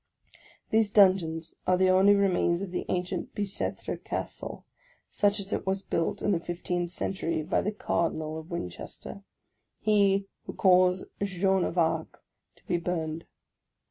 These dungeons are the only re mains of the ancient Bicetre Castle, such as it was built in the fifteenth century by the Cardinal of .Winchester, he who caused Jeanne of Arc to be burned.